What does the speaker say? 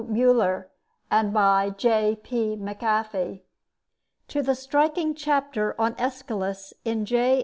Müller and by J.P. Mahaffy, to the striking chapter on Aeschylus in J.